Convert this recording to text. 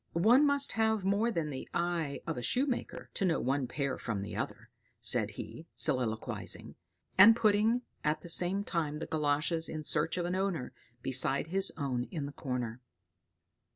"One must have more than the eye of a shoemaker to know one pair from the other," said he, soliloquizing; and putting, at the same time, the galoshes in search of an owner, beside his own in the corner.